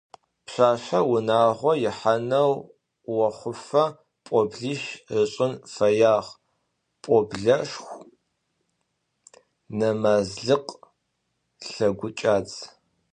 Пшъашъэр унагъо ихьанэу охъуфэ пӏоблищ ышӏын фэягъэ: пӏоблэшху, нэмазлыкъ, лъэгукӏадз.